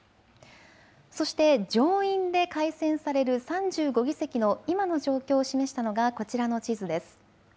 そして上院で改選される３５議席の今の状況を示したのがこちらの地図です。